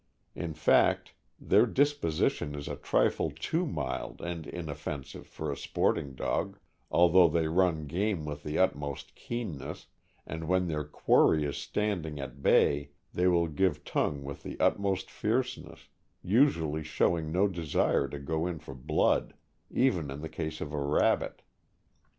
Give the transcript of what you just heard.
In fact, their disposition is a trifle too mild and inoffensive for a sporting dog; although they run game with the utmost keenness, and when their quarry is standing "at bay" they will give tongue with the utmost fierceness, usually showing no desire to go in for blood, even in the case of a rabbit.